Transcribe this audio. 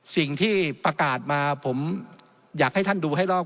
สิ่งที่ประกาศมาผมอยากให้ท่านดูให้รอบ